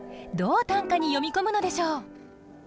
どう短歌に詠み込むのでしょう？